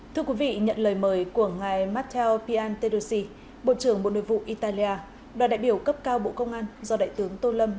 thưa quý vị nhận lời mời của ngài matteo pian tedosi bộ trưởng bộ nội vụ italia đoàn đại biểu cấp cao bộ công an do đại tướng tô lâm